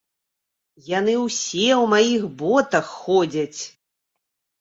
Яны ўсе ў маіх ботах ходзяць!